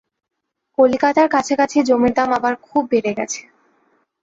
কলিকাতার কাছাকাছি জমির দাম আবার খুব বেড়ে গেছে।